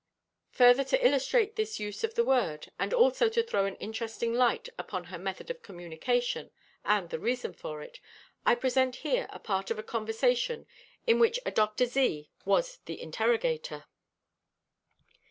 Further to illustrate this use of the word, and also to throw an interesting light upon her method of communication and the reason for it, I present here a part of a conversation in which a Dr. Z. was the interrogator.